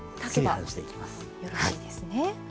よろしいですね。